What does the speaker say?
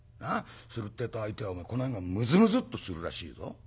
するってえと相手はこの辺がムズムズっとするらしいぞ。